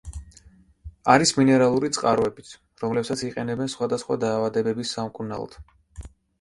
არის მინერალური წყაროებიც, რომლებსაც იყენებენ სხვადასხვა დაავადებების სამკურნალოდ.